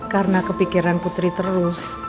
karena kepikiran putri terus